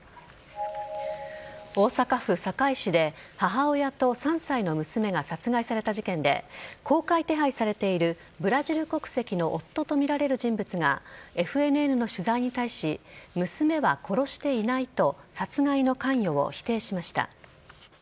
大阪府堺市で母親と３歳の娘が殺害された事件で公開手配されているブラジル国籍の夫とみられる人物がＦＮＮの取材に対し娘は殺していないと殺害の関与を否定しました。